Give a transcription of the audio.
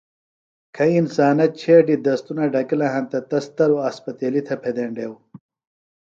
کھئی انسانہ چھیڈیۡ دستُنہ ڈھکِلہ ہینتہ تس تروۡ اسپتیلیۡ تھےۡ پھیدینڈیوۡ۔